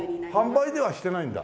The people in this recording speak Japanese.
販売はしてないんだ？